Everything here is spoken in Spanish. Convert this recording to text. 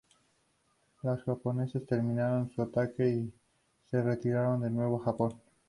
Los japoneses terminaron su ataque y se retiraron de nuevo a Japón.